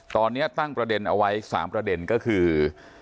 ตอนนี้ตั้งประเด็นเอาไว้๓ประเด็นก็คือ